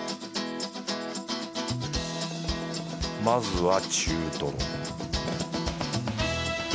まずは中トロ